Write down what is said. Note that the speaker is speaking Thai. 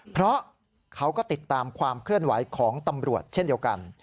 เพราะเขาก็ติดตามความเคลื่อนไหวของตำรวจเช่นเดียวกัน